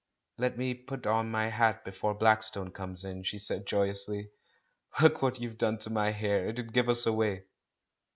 "Let me put on my hat before Blackstone comes in," she said joyously; "look what you've done to my hair — it'd give us away!"